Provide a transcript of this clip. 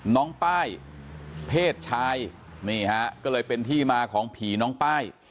น้องป้ายเพศชายนี่ฮะก็เลยเป็นที่มาของผีน้องป้าย